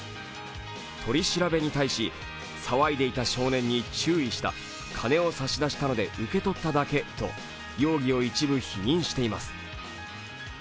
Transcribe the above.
取り調べに対し、騒いでいた少年に注意した、金を差し出したので受け取っただけと容疑を一部否認しています。